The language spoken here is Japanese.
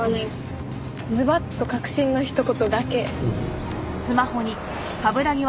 ズバッと核心のひと言だけ。